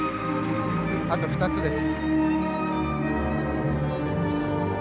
あと２つです。